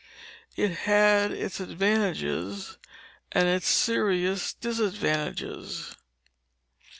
It had its advantages and its serious disadvantages.